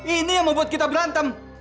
ini yang membuat kita berantem